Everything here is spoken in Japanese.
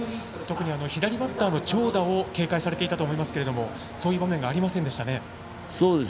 特に左バッターの長打を警戒されていたと思いますけどそういう場面がありませんでしたね。